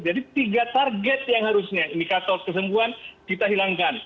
tiga target yang harusnya indikator kesembuhan kita hilangkan